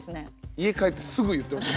家帰ってすぐ言ってましたもんね。